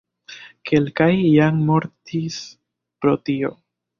Kelkaj jam mortis pro tio.